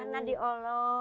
kenangan di allah